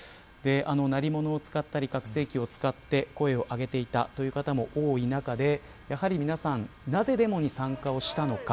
鳴り物を使ったり拡声器を使って声を上げていたという方も多い中でやはり皆さんなぜデモに参加したのか